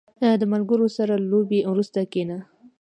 • د ملګرو سره د لوبې وروسته کښېنه.